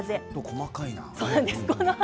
細かいな。